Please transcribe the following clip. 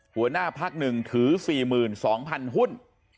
หัวหน้าพักหนึ่งถือ๔๒๐๐๐หุ้น